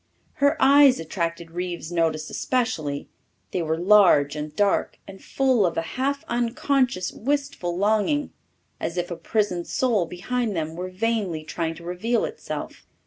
Her eyes attracted Reeves's notice especially; they were large and dark and full of a half unconscious, wistful longing, as if a prisoned soul behind them were vainly trying to reveal itself.